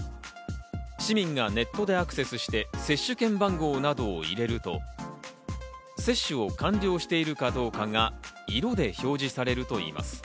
市民がネットでアクセスして、接種券番号などを入れると、接種を完了しているかどうかが色で表示されるといいます。